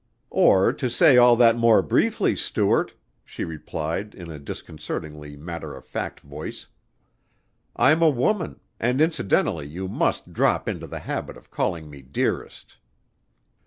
"Or to say all that more briefly, Stuart," she replied in a disconcertingly matter of fact voice, "I'm a woman and incidentally you mustn't drop into the habit of calling me dearest."